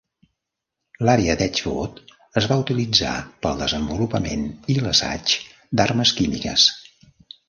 L'àrea de Edgewood es va utilitzar pel desenvolupament i l'assaig d'armes químiques.